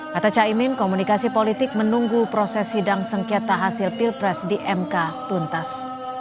kata caimin komunikasi politik menunggu proses sidang sengketa hasil pilpres di mk tuntas